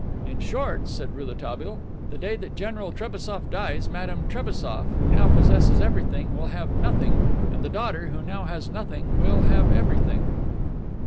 "In short," said Rouletabille, "the day that General Trebassof dies Madame Trebassof, who now possesses everything, will have nothing, and the daughter, who now has nothing, will have everything."